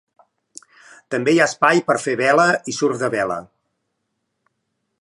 També hi ha espai per fer vela i surf de vela.